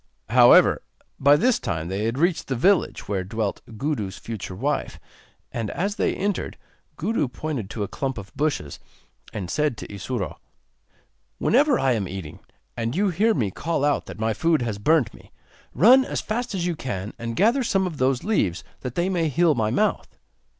However, by this time they had reached the village where dwelt Gudu's future wife, and as they entered Gudu pointed to a clump of bushes, and said to Isuro: 'Whenever I am eating, and you hear me call out that my food has burnt me, run as fast as you can and gather some of those leaves that they may heal my mouth.